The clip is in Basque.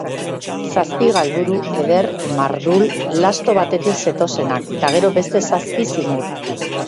Zazpi galburu eder mardul, lasto batetik zetozenak; eta gero beste zazpi zimur.